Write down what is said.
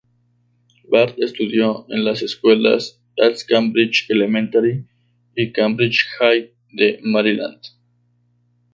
Barth estudió en las escuelas East Cambridge Elementary y Cambridge High de Maryland.